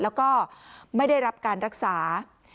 แล้วก็ไม่ได้รับการรักษา